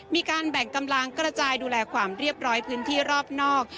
มีการแบ่งกำลังกระจายดูแลความเรียบร้อยพื้นที่รอบนอก